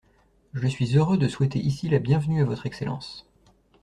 Je suis heureux de souhaiter ici la bienvenue à Votre Excellence.